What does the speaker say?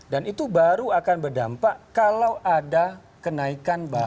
dan itu baru akan berdampak kalau ada kenaikan bahan